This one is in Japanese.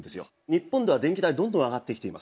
日本では電気代どんどん上がってきています。